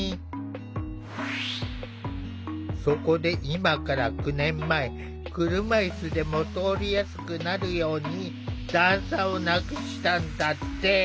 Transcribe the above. そこで今から９年前車いすでも通りやすくなるように段差をなくしたんだって。